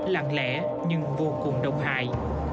lặng lẽ nhưng vô cùng đau hại